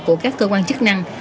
của các cơ quan chức năng